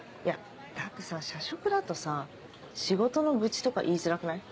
だってさ社食だとさ仕事の愚痴とか言いづらくない？